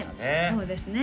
そうですね